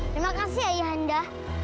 terima kasih ayah anda